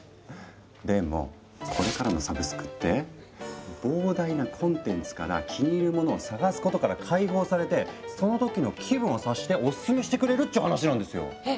でもこれからのサブスクって膨大なコンテンツから気に入るものを探すことから解放されてその時の気分を察してオススメしてくれるって話なんですよ。え？